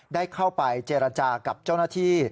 ได้เข้าไปเจรจากับเจ้าหน้าที่